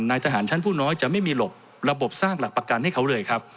นายทหารชั้นผู้น้อยจะไม่มีหลบระบบสร้างหลักประกันให้เขาเลยครับ